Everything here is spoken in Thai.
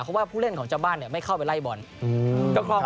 เพราะว่าผู้เล่นของชะบานเนี้ยไม่เข้าไปไล่บอลอือไม่เข้าไปไล่บอล